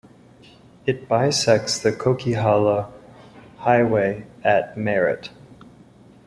It bisects the Coquihalla Highway at Merritt.